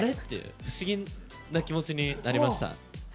不思議な気持ちになりました。